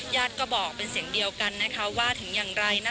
ญาติก็บอกเป็นเสียงเดียวกันนะคะว่าถึงอย่างไร